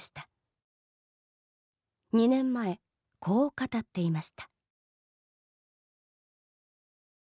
２年前、こう語っていました。